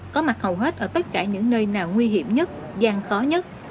có mặt hầu hết ở tất cả những nơi nào nguy hiểm nhất gian khó nhất